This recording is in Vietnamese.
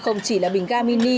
không chỉ là bình ga mini